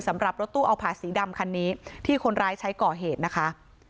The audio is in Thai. รถตู้เอาผาสีดำคันนี้ที่คนร้ายใช้ก่อเหตุนะคะ